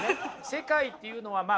世界っていうのはまあ